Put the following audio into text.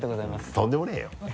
とんでもねぇよ。